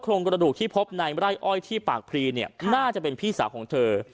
กระดูกที่พบในไร่อ้อยที่ปากพรีเนี่ยน่าจะเป็นพี่สาวของเธอ